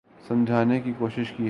سمجھانے کی کوشش کی ہے